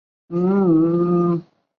但这个说法没有其他的证据支持。